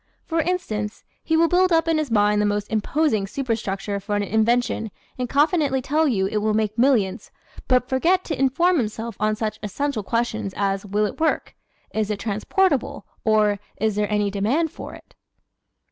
For instance, he will build up in his mind the most imposing superstructure for an invention and confidently tell you "it will make millions," but forget to inform himself on such essential questions as "will it work?" "Is it transportable?" or "Is there any demand for it?"